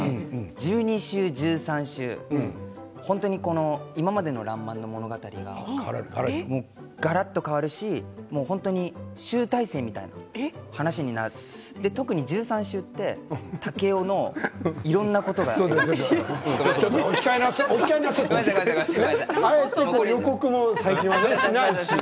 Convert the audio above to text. １２週、１３週今までの「らんまん」の物語ががらっと変わるし集大成みたいな話になって特に１３週ってちょっとお控えなすってあえて予告も最近はしないし。